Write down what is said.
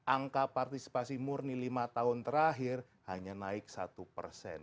angka partisipasi murni lima tahun terakhir hanya naik satu persen